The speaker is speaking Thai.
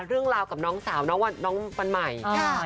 เรื่องราวกับน้องสาวน้องวันใหม่